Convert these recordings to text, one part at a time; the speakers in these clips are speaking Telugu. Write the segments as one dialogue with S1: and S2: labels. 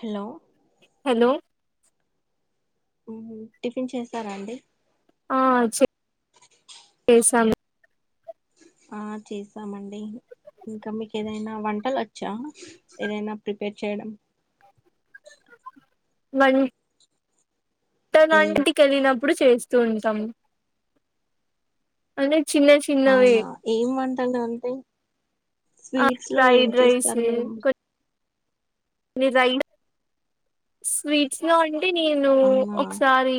S1: హలో
S2: హలో
S1: ఉమ్ టిఫిన్ చేసారా అండి
S2: ఆ చె చేసాం
S1: ఆ చేసామండి ఇంకా మీకెదైనా వంటలచ్చ ఏదైనా ప్రిపేర్ చేయడం స
S2: మరి
S1: ఏ
S2: తనాంటికి ఎళ్ళినప్పుడు చేస్తూ ఉంటం అంటే చిన్న చిన్నవి
S1: అవునా ఏం వంటలంటే
S2: అ ఫ్రైడ్ రైసు
S1: మీరు
S2: కొ నీ రైన స్వీట్స్ లోని అంటే నేను
S1: అవునా
S2: ఒకసారి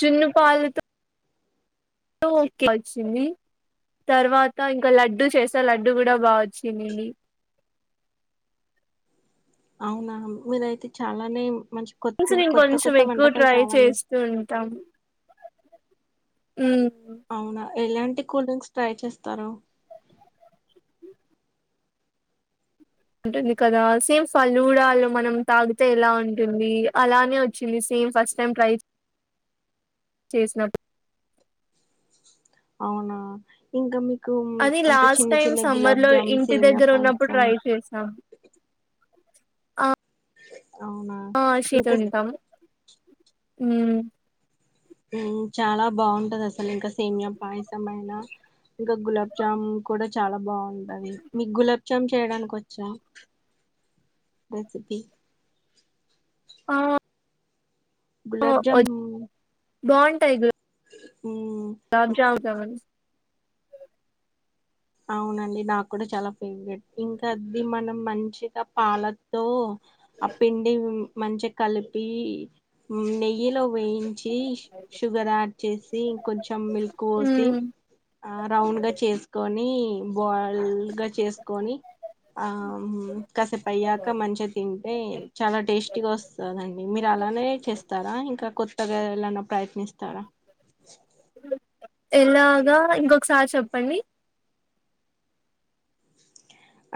S2: జున్నుపాలుతో ఓకే అచ్చింది తర్వాత ఇంకా లడ్డు చేస లడ్డు కూడా బాగా వచ్చిందండి
S1: అవునా మీరయితే చాలానేం మంచి కొతిం
S2: నేను
S1: కొత్త
S2: కొంచెం
S1: కొత్త
S2: ఎక్కువ
S1: వంటకాలు
S2: ట్రై
S1: చాలా నేర్
S2: చేస్తూ ఊ
S1: అవునా ఎలాంటి కూల్ డ్రింక్స్ ట్రై చేస్తరు
S2: ఉంటుంది కదా సేమ్ ఫలు కూడా ఆలు మనం తాగితే ఎలా ఉంటుంది అలానే వచ్చింది సే ఏం ఫస్ట్ టైమ్ ట్రై చేసినట్
S1: అవునా ఇంకా మిక్ కు
S2: అది
S1: అంత
S2: లాస్ట్
S1: చిన్న
S2: టైం
S1: చిన్న
S2: సమ్మర్
S1: గులాబ్
S2: లో
S1: జామ్
S2: ఇంటి
S1: సేమ్య
S2: దగ్గర ఉన్నప్పుడు
S1: పాయసం
S2: ట్రై చేసాం
S1: అవునా ఇంకా
S2: అ
S1: చాలా బాగుంటది అసలు ఇంకా సేమ్య పాయసం అయిైన ఇంకా గులాబ్జామున్ కూడా చాలా బాగుంటది మీకు గులాబ్ ఇం చేయడానికి వచ్చా రెసిపీ
S2: ఆ
S1: గులాబజమ
S2: బాగుంటాయి తబ్జావుత మరి
S1: అవునండి నాకు కూడా చాలా ఫేవరెట్ ఇంకా అది మనం మంచిగా పాలతో ఆ పిండి మంచిగా కలిపి నెయ్యిలో వేయించి షుగర్ యాడ్ చేసింకంచెం మిల్క్ పోసి
S2: మ్మ్
S1: ఆ రౌండ్ గా చేసుకొని బాయిల్ గా చేసుకొని ఆ కాసేపు అయ్యాక మంచిగా తింటే చాలా టేస్టీగా వస్తుందండి మీర అలానే చేస్తారా ఇంకా కొత్తగా ఎలానా ప్రయత్నిస్తారా
S2: ఎలాగా ఇంకొకసారి చెప్పండి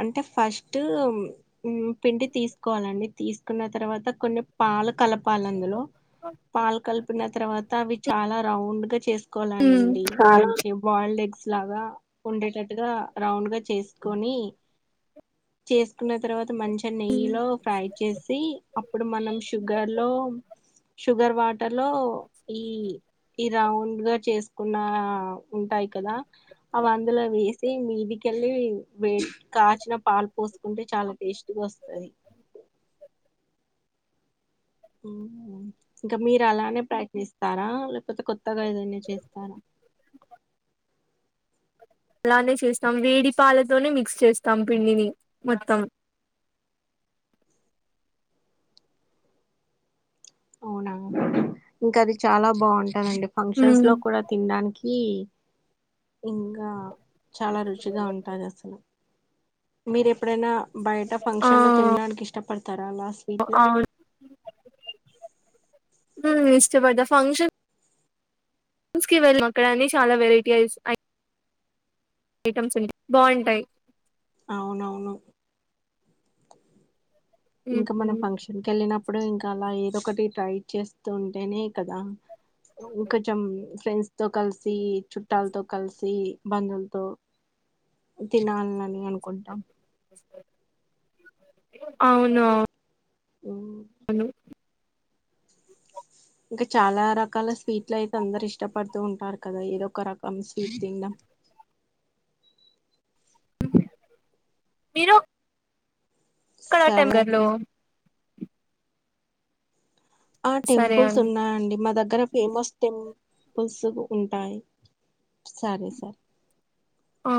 S1: అంటే ఫస్ట్ పిండి తీసుకోవాలండి తీసుకున్న తర్వాత కొన్ని ప చాల కలపాలి అందులో పాలు కలిపిన తర్వాత అవి చాలా రౌండ్ గా చేసుకు
S2: మ్మ్
S1: కోాలండి
S2: చాలా
S1: మంచి బాల్డ్ ఎ్స్ ఇలాగా ఉండేటట్టుగా రౌండ్ గా చేసుకొని చేసుకున్న తర్వాత మంచి. నెయ్యిలో ఫ్రై చేసి ఆపు డతొ అ మ షుగర్ వాటర్ లో ఈ ఈ రౌండ్ గా చేసుకున్న ఉంటాయి కదా అవి అందులో వేసి మీదికి కలివి మే కాచిన పాలు పోసుకుంటే చాలా టేస్ట్గా వస్తుది ఇంకా మీరు అలానే ప్రయత్నిస్తారా లేకపోతే కొత్తగా ఏదైనా చేస్తారా
S2: అలానే చేస్తాం వేడిపాలతోనే మిక్స్ చేస్తాం పిండిని మొత్తం
S1: అవునా ఇంకా అది చాలా బాగుంటందండి ఫంక్షన్స్
S2: ఉమ్
S1: లో కూడా తినడానికి ఇంకా చాలా రుచిగా ఉంటారు అసలు మీరు ఎప్పుడైనా బయట
S2: ఆ
S1: ఫంక్షన్ లో తినడానికి ఇష్టపడతారా అలా స్వీట్ లో
S2: హ ఇష్ట పడ్దా ఫంక్షన్ స్ క వెళ్ళ మక్కడన్ని చాలా వెరైటీ యిస్ ఐటమ్స్ ఉంటా బాగుంటాయి
S1: అవున అవును ఇంకా మనం
S2: ఉమ్
S1: ఫంక్షన్ క వెళ్ళినప్పుడు ఇంకా అలా ఏదో ఒకటి ట్రై చేస్తూ ఉంటేనే కదా ఇంకంచెం ఫ్రెండ్స్ తో కలిసి చుట్టాలతో కలిసిబ్ బందులతో తినాలని అనుకుంటాం
S2: అవునా
S1: ఉమ్. ఇంకా చాలా రకాల స్వీట్లు అయితే అందరు ఇష్టపడుతూ ఉంటారు కదా ఏదో ఒక రకం స్వీట్ తిన
S2: మీరు ప్ క్క ఆ టైం
S1: సరే అండి
S2: గలు
S1: ఆ
S2: సరే
S1: టెంపుల్స్
S2: అండి
S1: ఉన్నాయండి మా దగ్గర ఫేమస్ టెం పుల్స్ గుడ్ ఉంటాయి సరే సర్
S2: ఆ